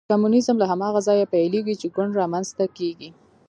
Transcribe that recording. کمونیزم له هماغه ځایه پیلېږي چې ګوند رامنځته کېږي.